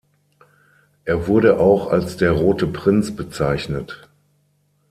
Er wurde auch als „der rote Prinz“ bezeichnet.